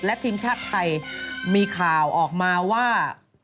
และทีมชาติไทยมีข่าวออกมาว่า